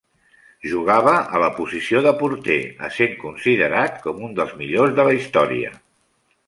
Jugava a la posició de porter, essent considerat com un dels millors de la història.